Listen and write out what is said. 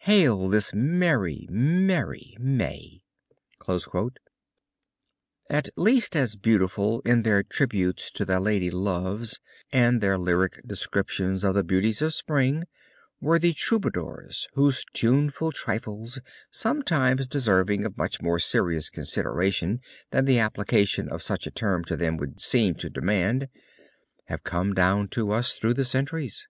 Hail this merry, merry May! At least as beautiful in their tributes to their lady loves and their lyric descriptions of the beauties of Spring, were the Troubadours whose tuneful trifles, sometimes deserving of much more serious consideration than the application of such a term to them would seem to demand, have come down to us though the centuries.